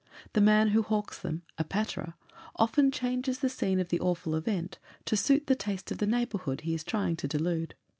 The man who hawks them, a patterer, often changes the scene of the awful event to suit the taste of the neighbourhood he is trying to delude.